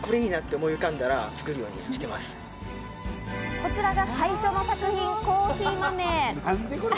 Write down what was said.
こちらが最初の作品、『コーヒー豆』。